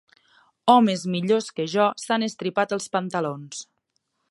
Homes millors que jo s'han estripat els pantalons.